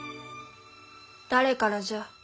誰からじゃ？